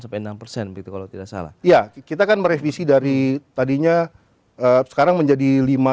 delapan sampai enam begitu kalau tidak salah ya kita akan merevisi dari tadinya sekarang menjadi lima ribu satu ratus lima puluh lima